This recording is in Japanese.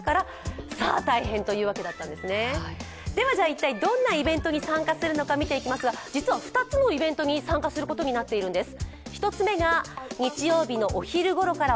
一体どんなイベントに参加するのか見ていきますが、実は２つのイベントに参加することになっているんです。